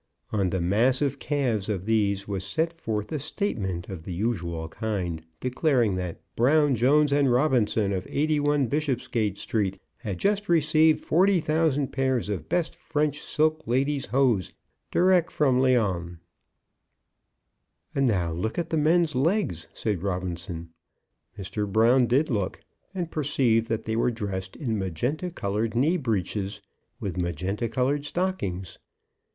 On the massive calves of these was set forth a statement of the usual kind, declaring that "Brown, Jones, and Robinson, of 81, Bishopsgate Street, had just received 40,000 pairs of best French silk ladies' hose direct from Lyons." "And now look at the men's legs," said Robinson. Mr. Brown did look, and perceived that they were dressed in magenta coloured knee breeches, with magenta coloured stockings.